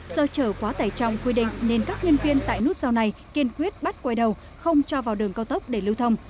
do chở quá tải trọng quy định nên các nhân viên tại nút giao này kiên quyết bắt quay đầu không cho vào đường cao tốc để lưu thông